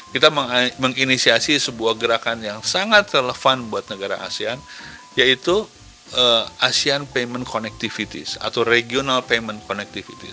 kita menginisiasi sebuah gerakan yang sangat relevan buat negara asean yaitu asean payment connectivities atau regional payment connectivity